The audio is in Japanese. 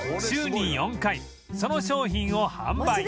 週に４回その商品を販売